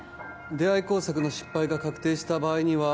「出会工作」の失敗が確定した場合には